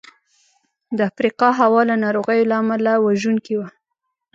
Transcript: د افریقا هوا له ناروغیو له امله وژونکې وه.